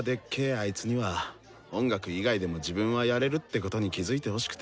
あいつには音楽以外でも自分はやれるってことに気付いてほしくてさ。